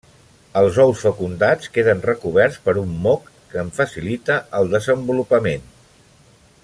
Els ous fecundats queden recoberts per un moc que en facilita el desenvolupament.